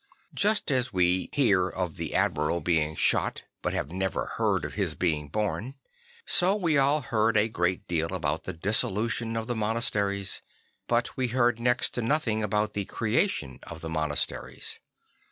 ] ust as we hear of the admiral being shot but have never heard of his being born, so we all heard a great deal about the dissolution of the monasteries, but we heard next to nothing about the creation of the monasteries.